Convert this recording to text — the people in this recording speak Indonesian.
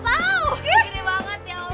ada tak tahu